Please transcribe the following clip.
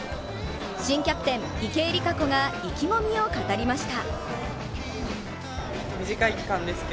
新キャプテン・池江璃花子が意気込みを語りました。